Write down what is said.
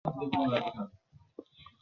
তিনি আগ্রার দুর্গে বসবাস শুরু করেন।